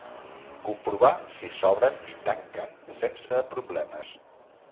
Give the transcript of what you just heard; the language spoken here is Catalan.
Comprovar si s'obren i tanquen sense problemes.